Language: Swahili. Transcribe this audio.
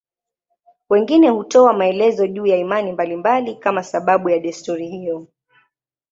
Wengine hutoa maelezo juu ya imani mbalimbali kama sababu ya desturi hiyo.